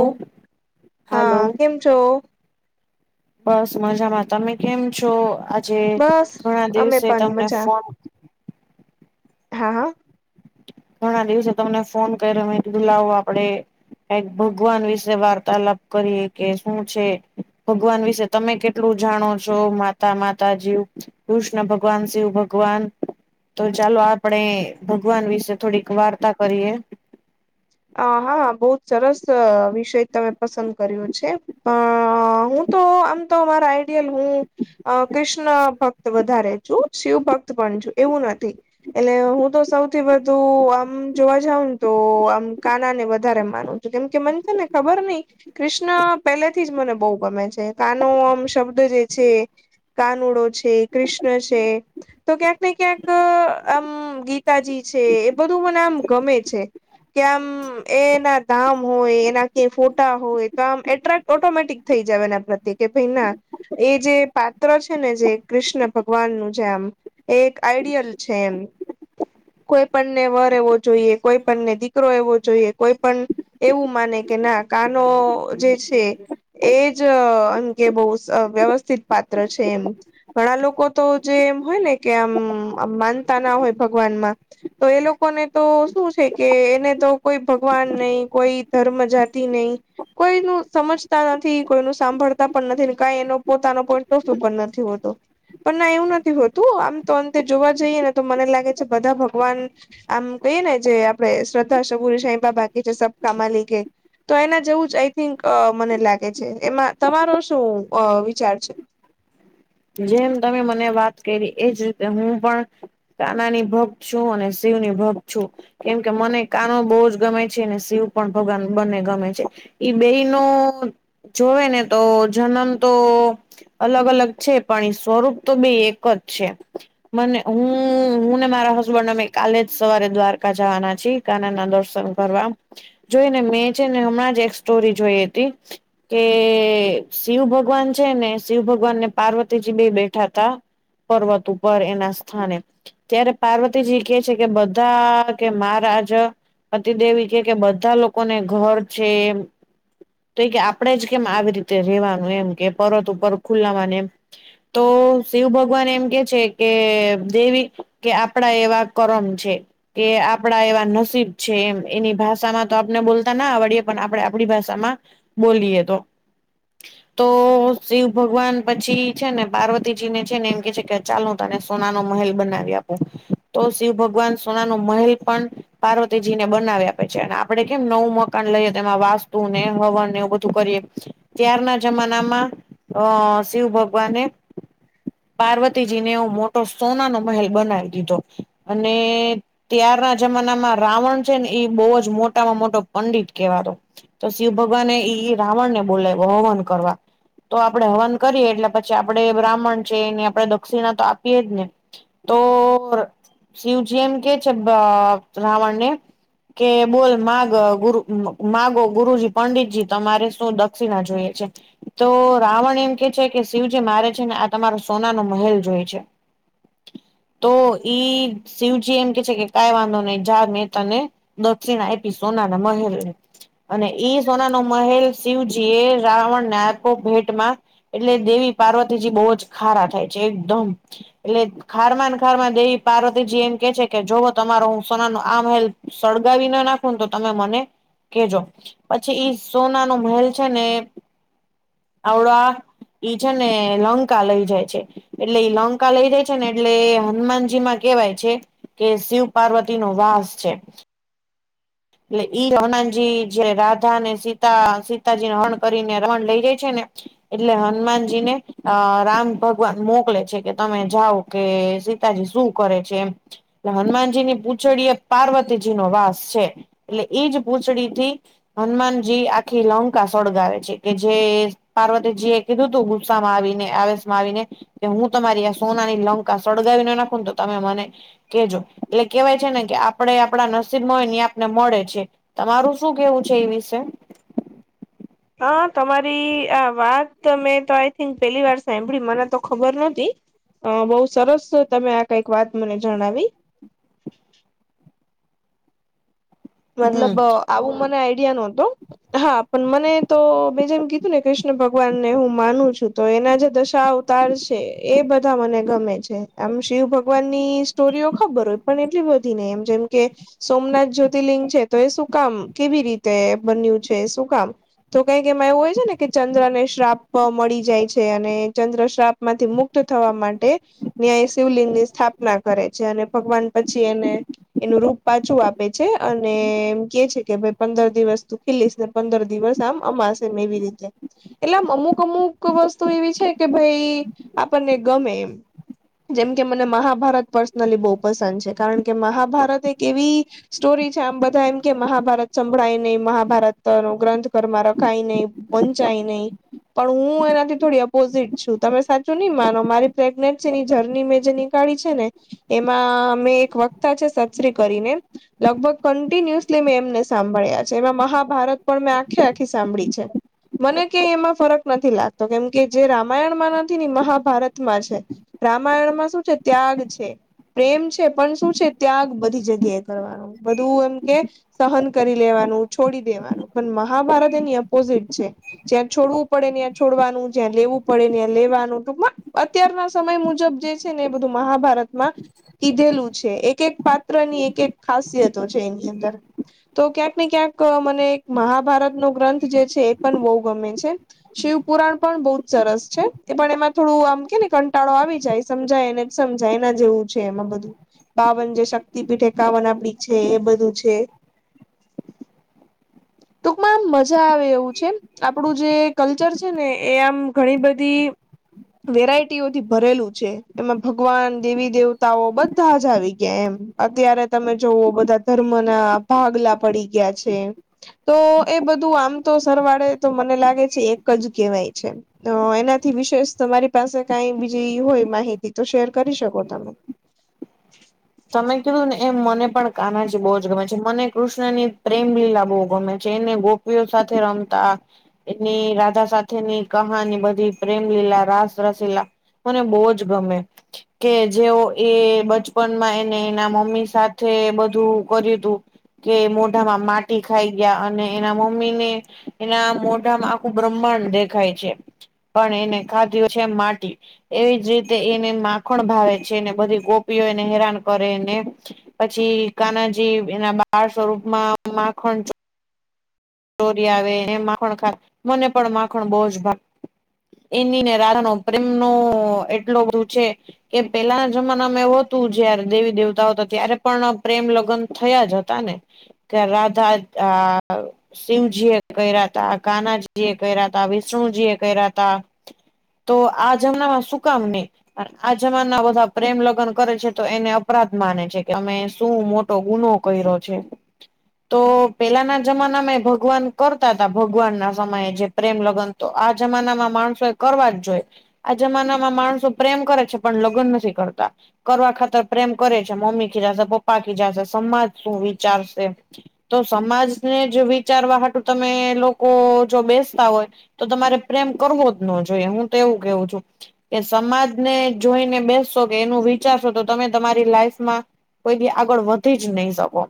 ઓ hello હા કેમ છો? બસ મજામાં તમે કેમ છો આજે? બસ ઘણા અમે દિવસે પણ તમને મજા ફોન હા હા. ઘણા દિવસે તમને ફોન કર્યધું લો આપડે ક ભગવાન વિશે વાર્તાલાપ કરીએ કે શું છે, ભગવાન વિશે તમે કેટલું જાણો છો માતા માતાજીવ, કૃષ્ણ ભગવાન શિવ ભગવાન. તો ચાલો આપડે ભગવાન વિશે થોડીક વાર્તા કરીએ. અ હા બહ સરસ વિષય તમે પસંદ કર્યો છે. અ હું તો આમ તો અમારા આઈડિયલ હું. કૃષ્ણ ભક્ત વધારે છું શિવ ભક્ત પણ છું એવું નથી. એટલે હું તો સૌથી વધુ આમ જોવા જાઉં ને તો આમ કાના ને વધારે માનું છું કેમ કે મનશે ને ખબર નહી. કૃષ્ણ પહેલાથી જ મને બહુ ગમે છે કાનો આમ શબ્દ જે છે. કાનુડો છે કૃષ્ણ છે, તો ક્યાંક ને ક્યાંક આમ ગીતાજી છે એ બધું મને આમ ગમે છે, કે આમ એ એના ધામ હોય એના ક ફોટા હોય તો આમ એટ્રક ઓટોમેટિક થઈ જવાના પ્રત્યે કે ભાઈ ના. એ જે પાત્ર છે ને જે કૃષ્ણ ભગવાનનું જે આમ. એક આઈડિયલ છે એમ. કોઈ પણણને વર એવો જોઈએ કોઈ પણણને દીકરો એવો જોઈએ. જોઈએ કોઈ પણ, એવું માને કે ના કનો જે છે. એજમ કે બહુ વ્યવસ્થિત પાત્ર છે એમ. ઘણા લોકો તો જે એમ હોય ને કે આમ આમ માનતા ના હોય ભગવાનમાં. તો એ લોકોને તો શું છે કે એને તો કોઈ ભગવાન નહી કોઈ ધર્મ જાતિ નહી. કોઈ ન સમજતા નથી કોઈ ન સાંભળતા પણ નથી ને કઈ એનો પોતાનો પોઈન્ટ ઓફ વ્યુ પણ નથી હોતો. પણ ના એવું નથી હોતું આમ તો અંતે જોવા જઈએ ને તો મને લાગે છે બધા ભગવાન આમ કહીએ ને જે આપડે શ્રદ્ધા સબુરી સા બાકી છે સબ કામાલી કે. તો એના જેવું જ આઈ થિંક મને લાગે છે એમાં તમારો શું વિચાર છે. જેમ તમે મને વાત કરી એજ રીતે હું પણ નાના ની ભક્ત છું અને શિવની ભક્ત છું. કેમ કે મને કનો બહુ જ ગમે છે અનેને શિવ પણ ભગવાન બંને ગમે છે. ઈ બેઈ ન જોવે ને તો જન્મ તો અલગ અલગ છે પણ એ સ્વરૂપ તો બે એક જ છે. મને હું હું ને મારા હસબન્ડ અમે કાલે સવારે દ્વારકા જવાના છે કના ના દર્શન કરવા. જોઈ ને મેં છે ને હમણાં જ એક સ્ટોરી જોઈ હતી. કે શિવ ભગવાન છે ને શિવ ભગવાન ને પાર્વતી. જી બે બેઠા ત, પર્વત ઉપર એના સ્થાને. ત્યારે પાર્વતીજી કે છે કે બધા કે મહારાજ અતિદેવી કે કે બધા લોકોને ઘર છે એ. તો કે આપણેે જ કેમ આવી રીતે રેવાનું એમ કે પરત ઉપર ખુલાવાનું એમ. તો શિવ ભગવાન એમ કે છે કે દેવી, કે આપડા એવા કરમ છે. કે આપણા એવા નસીબ છે એમ એની ભાષામાં તો આપને બોલતા ના આવડીએ પણ આપડણે આપણી ભાષામાં. બોલીએ તો, તો શિવ ભગવાન પછી છે ને પાર્વતીજી ને છે ને એમ કે છે કે ચાલો તને સોના નો મહેલ બનાવી આપું. તો શિવ ભગવાન સોના નું મહેલ પણ પાર્વતીજીને બનાવી આપે છે અને આપડે કેમ નવું મકાન લઈએ તેમાં વાસ્તુ ને હવન નેવ બધું કરીએ, ત્યારના જમાનામાં, અ શિવ ભગવાને. પાર્વતીજીને એવો મોટો સોના નો મહેલ બનાવી દીધો, અને ત્યારના જમાનામાં રાવણ છે ને એ બહુ જ મોટામાં મોટો પંડિત કહેવાતો. તો શિવ ભગવાને ઈ રાવણ ને બોલાવ્યો હવન કરવા, તો આપડે હવન કરીએ એટલે પછી આપડે બ્રાહ્મણ છે એની આપડે દક્ષિણા તો આપીએ જ ને. તો શિવજી એમ કે છે અ રાવણને. કે બોલ માગ ગુરુ માગો ગુરુજી પંડિતજી તમારે શું દક્ષિણા જોઈએ છે. તો રાવણ એમ કે છે કે શિવજી મારે છે ને આ તમારો સોના નો મહેલ જોયે છે. તો ઈ શિવજી એમ કે છે કે કઈ વાંધો નહી જા મેં તને દક્ષિણા આપી સોનાના મહેલની. અને ઈ સોનાનો મહેલ શિવજી એ રાવણ ને આપ્યો ભેટમાં. એટલે દેવી પાર્વતીજી બહુ જ ખારા થાય છે એકદમ એટલે ખારમાં ન ખારમાં દેવી પાર્તીજી એમ કે છે કે જોવો તમારો હું સોના ન આ મહેલ્ સળગાવી ના નાખું ને તો તમે મને કેજો, પછી ઈ સોના ન મહેલ છે ને આવડા ઈ છે ને લંકા લઈ જાય છે. એટલે એ લંકા લઈ જાય છે ને એટલે હનુમાનજી માં કેવાય છે. કે શિવ પાર્વતી નો વાસ છે. એટલે ઈ જે રાધા ને સીતા સીતાજીને હરણ કરીને રણ લઈ જાય છે ને. એટલે હનુમાનજી ને. અ રામ ભગવાન મોકલે છે કે તમે જાઓ કે સીતાજી શું કરે છે એમ. હનુમાનજી ની પૂંછડી એ પાર્વતીજી નો વાસ છે, એટલે એજ પૂંછડી થી. હનુમાનજી આખી લંકા સળગાવે છે કે જે પાર્વતીજી એ કીધું તું ગુસ્સામાં આવીને આવેશમાં આવીને. કે હું તમારી આ સોનાની લંકા સળગાવી ના નાખું ને તો તમે મને કેજો, એટલે કેવાય છે ને કે આપડે આપડા નસીબ માં હોય ને એ આપ ને મળે છે, તમારું શું કેવું છે એ વિશે? હ તમારી આ વાત મેં તો આઈ થિંક પેલી વાર સાંભળી મને તો ખબર નહોતી. અ બહુ સરસ તમે આ કઈક વાત મને જણાવી. હમ. મતલબ આવું મને આઈડિયા નહતો. હા પણ મને તો મેં જેમ કીધું ને કૃષ્ણ ભગવાનને હું માનું છું તો એના જે દશા અવ તાર છે એ બધા મને ગમે છે, આમ શિવ ભગવાનની સ્ટોરી ખબર હોય પણ એટલી બધી નહી એમ જેમ કે, સોમનાથ જ્યોત તિલિંગ છે તો એ શું કામ કેવી રીતે બન્યું છે શું કામ? તો કંઈક એમાં એવું હોય છે ને કે ચંદ્ર ને શ્રાપ મળી જાય છે અને ચંદ્ર શ્રાપ માંથી મુક્ત થવા માટે, નયા શિવલિંગની સ્થાપના કરે છે અને ભગવાન પછી એને એનું રૂપ પાછું આપે. છે, અને એમ કે છે કે ભાઈ પંદર દિવસ તું ખીલીશ ને પંદર દિવસ આમ અમાશે એમ એવી રીતે. એટલે આમ અમુક અમુક વસ્તુ એવી છે કે ભાઈ આપણને ગમે એમ. જેમ કે મને મહાભારત પર્સનલી બહુ પસંદ છે કારણ કે મહાભારત એક એવી. સ્ટોરી છે આમ બધા એમ કે મહાભારત સંભળાય નહી મહાભારત નો ગ્રંથ ઘરમાં રખાય નહી. વંચાય નહી. પણ હું એનાથી થોડી અપોઝિટ છું તમે સાચું નહી માનો મારી પ્રેગ્નેસી ની જર્ની મે જેની કરી છે ને, એમાં અમે એક વક્તા છે સસરી કરીને. લગભગ કન્ટિન્યુસલી મેં એમને સાંભળ્યા છે એમાં મહાભારત પણ મેં આખે આખી સાંભળી છે. મને ક એમાં ફરક નથી લાગતો કેમ કે જે રામાયણ માં નથી ને મહાભારતમાં છે. રામાયણમાં શું છે ત્યાગ છે, પ્રેમ છે પણ શું છે ત્યાગ બધી જગ્યાએ. કરવાનું બધું એમ કે, સહન કરી લેવાનું છોડી દેવાનું. પણ મહાભારત એની ઓપોઝિટ છે. જ્યાં છોડવું પડે ને ત્યાં છોડવાનું જ્યાં લેવું પડે ને્યાં લેવાનું તો અત્યારના સમય મુજબ જે છે ને એ બધું મહાભારતમાં કીધેલું છે એક એક પાત્રની એક એક ખાસિયતો છે એની અંદર. તો ક્યાંક ને ક્યાંક મને મહાભારતનો ગ્રંથ જે છે એ પણ બહુ ગમે છે. શિવ પુરાણ પણ બહુ જ સરસ છે એ પણ એમાં થોડું આમ કે ને કંટાળો આવી જાય. સમજાય એને જ સમજાય એના જેવું છે એમાં બધું, બાવન જે શક્તિપીઠ કાવન આપડી છે એ બધું છે. [inaudible] ટૂંકમાં આમ મજા આવે એવું છે, આપડું જે કલ્ચર છે ને એ આમ ઘણી બધી વેરાયટીઓથી ભરેલું છે, એમાં ભગવાન દેવી દેવતાઓ બધા જ આવી ગયા એમ. અત્યારે તમે જોવઓ બધા ધર્મ ના ભાગલા પડી ગયા છે. તો એ બધું આમ તો સરવાળે તો મને લાગે છે એક જ કહેવાય છે એનાથી વિશેષ તમારી પાસે કઈ બીજી હોય માહિતી તો શેર કરી શકો તમે. તમે કીધું ને એમ મને પણ કાનાજી બહુ જ ગમે છે મને કૃષ્ણ ની પ્રેમ લીલા બહુ ગમે. જેઈને ગોપીઓ સાથે રમતા. એની રાધા સાથેની કહાની બધી પ્રેમ લલા રાસ રસીલા. મને બહુ જ ગમે, કે જે એ બચપન એને એના મમ્મી સાથે બધું કર્યું તું. કે મોઢામાં માટી ખાઈ ગયા અને એના મમ્મી ને એના મોઢામાં આખું બ્રહ્માંડ દેખાય છે, પણ એને ખાધ હોય છે માટી. એવી જ રીતે એને માખણ ભાવે છે એને બધી ગોપીઓ હેરાન કરેને, પછી કાનાજી એના બાળ સ્વરૂપમાં માખણ ચોરી આવે એ માખણ ખા મને પણ માખણ બહુ જ ભાગ એની ને રાનોો પ્રેમનો એટલો બધું છે. કે પેલાના જમાનામાં એવ હતું જયારે દેવી દેવતા હતા ત્યારે પણ પ્રેમ લગ્ન થયા જ હતા ને. કરધ આ શિવજી એ કર્યા ત કનાજી એ કર્યા ત વિષ્ણુજી એ કર્યા ત. તો આ જમણા માં શું કામ ને. આ જમાના બધા પ્રેમ લગ્ન કરે છે તો એને અપરાધ માને છે કે અમે શું મો ગુનો કર્યો છે, તો પેલાના જમાનામાં ભગવાન કરતા હતા ભગવાન ના સમયે જે પ્રેમ લગન તો આ જમાનામાં માણસો એ કરવા જ જોઈ. આ જમાનામાં માણસો પ્રેમ કરે છે પણ લગ્ન નથી કરતા. કરવા ખાતર પ્રેમ કરે છે મમ્મી ખીજાશે પપ્પા ખીજાશે સમાજ શું વિચારશે. તો સમાજને જ વિચારવાટું તમે લોકો જો બેસતા હોય. તો તમારે પ્રેમ કરવો જ ન જોઈએ હું તો એવું કેવું છું. કે સમાજને જોઈને બેસશો કે એનું વિચારશો તો તમે તમારી લાઈફમાં. કોઈ બી આગળ વધી જ નહી શકો,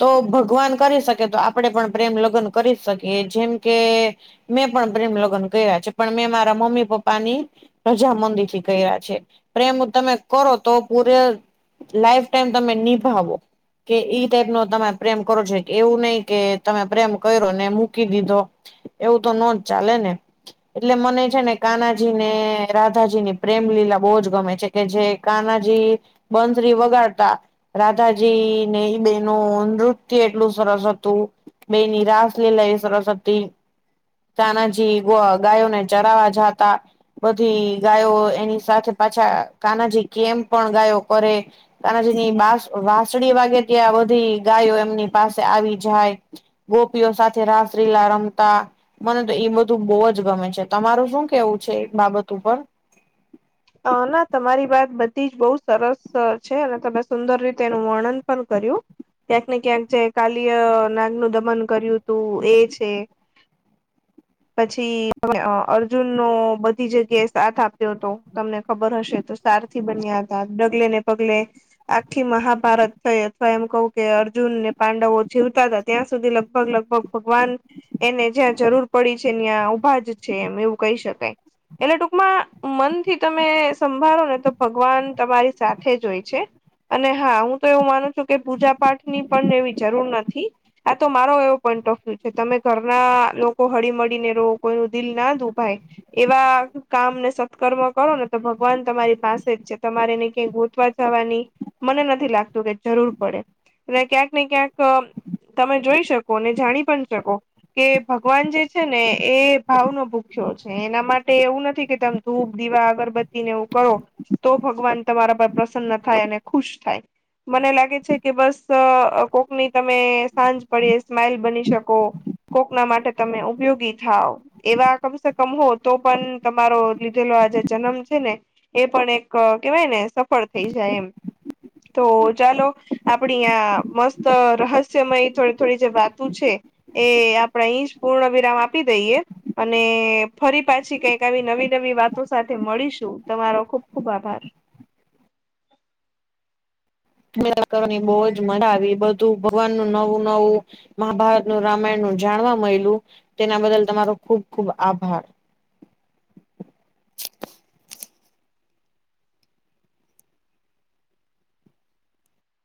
તો ભગવાન કરી શકે તો આપણે પણ પ્રેમ લગ્ન કરી શકીએ જેમ કે મેં પણ પ્રેમ લગ્ન ગ્યા છે પણ મેં મારા મમ્મી પપ્પાની પ્રજાામંદી થી કર્યા છે, પ્રેમ તમે કરો તો પૂરે લાઈફ ટાઈમ તમે નિભાવો, કે ઈ ટાઈપ નો તમે પ્રેમ કરો છો કે એવું નહી કે તમે પ્રેમ કર્યો ને મૂકી દીધો, એવું તો નોજ ચાલે ને. એટલે મને છે ને કાનાજી ને રાધાજીની પ્રેમ લીલા બહુ જ ગમે છે. કે જે કાનાજી બંતરી વગાડતા. રાધાજી ને એ બેનું નૃત્ય એટલું સરસ હતું. તો બે નિરાશ લઈ લઈ સરસ્વતી. તાનાજી ગાયોને ચરાવા જાતા. બધી ગાયો એની સાથે પાછા કાનાજી કેમ પણ ગાયો કરે. તાનાજીની વાસળ વાગે ત્યાં બધી ગાયો એમની પાસે આવી જાય. ગોપીઓ સાથે રાસલીલા રમતા. મને તો એ બધું બહુ જ ગમે છે તમારું શું કેવું છે એ બાબત ઉપર? અ ના તમારી વાત બધી જ બહુ સરસ છે અને તમે સુંદર રીતે એનું વર્ણન પણ કર્યું. ક્યાંક ને ક્યાંક જે કાલિય નાગ નું દમન કર્યું હતું એ છે. પછી અર્જુનનો બધી જગ્યાએ સાથ આપ્યો હતો. તમને ખબર હશે તો સારથી બન્યા હતા ડગલે ને પગલે. આખી મહાભારત થઈ અથવા એમ કવું કે અર્જુન ને પાંડવો જીવતા જ. ત્યાં સુધી લગભગ લગભગ ભગવાન એને જ્યાં જરૂર પડી છે ત્યાં ઊભા જ છે એમ એવું કહી શકાય. એટલે ટૂંકમાં મન થી તમે સંભાળો ને તો ભગવાન તમારી સાથે જ હોય છે. અને હા હું તો એવું માનું છું કે પૂજા પાઠ ની પણ એવી જરૂર નથી. આ તો મારો એવો પોઈન્ટ ઓફ વ્યુ છે તમે ઘરના લોકો હળી મળીને રહો કોઈ ન દિલ ના દો ભાઈ. એવા કામ ને સત્કર્મ કરો ને તો ભગવાન તમારી પાસે જ છે તમારે એને ક્યાંય ગોતવા જવાની. મને નથી લાગતું કે જરૂર પડે, એટલે ક્યાંક ને ક્યાંક તમે જોઈ શકો ને જાણી પણ શકો. કે ભગવાન જે છે ને એ ભાવ નો ભૂખ્યો છે એના માટે એવું નથી કે તેમ ધૂપ દીવા અગરબત્તી ને એવું કરો, તો ભગવાન તમારા પર પ્રસન્ન થાય અને ખુશ થાય. મને લાગે છે કે બસ કો કોકની તમે સાંજ પડે સ્માઈલ બની શકો, કોક ના માટે તમે ઉપયોગી થાવ, એવા કમસે કમ હો તો પણ તમારો લો આ જે જન્મ છે ને, એ પણ એક કેવાય ને સફળ થઈ જાય એમ. તો ચાલો આપણી આં મસ્ત રહસ્યમય થોડી થોડી જે વાત છે. એ આપણેે અહી જ પૂર્ણ વિરામ આપી દઈએ. અને ફરી પાછી કઈક આવી નવી નવી વાત સાથે મળીશું તમારો ખુબ ખુબ આભાર. કરવાની બહુજ મજા આવી બધું ભગવાન નું નવું નવું. મહાભારતનું, રામાયણ નું જાણવા મળલું, તેના બદલ તમારો ખુબ ખુબ આભાર.